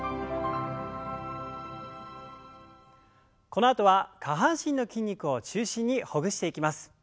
このあとは下半身の筋肉を中心にほぐしていきます。